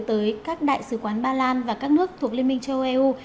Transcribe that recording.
tới các đại sứ quán ba lan và các nước thuộc liên minh châu âu eu